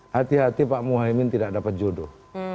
hati hati pak muhaymin tidak dapat jodoh